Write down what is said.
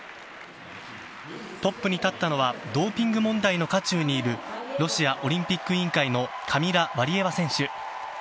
トップに立ったのは、ドーピング問題の渦中にいる、ロシアオリンピック委員会のカミラ・ワリエワ選手。